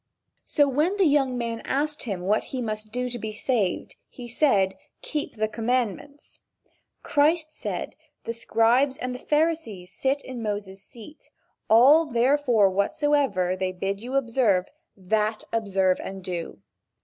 So, when the young man asked him what he must do to be saved, he said: "Keep the commandments." Christ said: "The scribes and the Pharisees sit in Moses' seat, all therefore whatsoever they bid you observe, that observe and do."